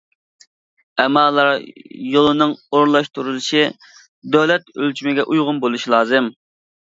ئەمالار يولىنىڭ ئورۇنلاشتۇرۇلۇشى دۆلەت ئۆلچىمىگە ئۇيغۇن بولۇشى لازىم.